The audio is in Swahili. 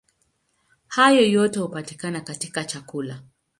Hayo yote hupatikana katika chakula.